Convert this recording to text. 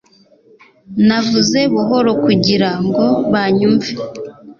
Navuze buhoro kugira ngo banyumve